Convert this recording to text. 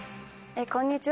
こんにちは。